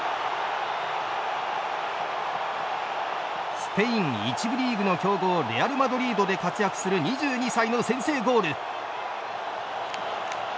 スペイン１部リーグの強豪レアルマドリードで活躍する２２歳の先制ゴール。